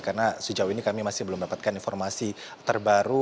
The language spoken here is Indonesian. karena sejauh ini kami masih belum mendapatkan informasi terbaru